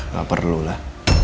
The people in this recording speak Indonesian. gak perlu lah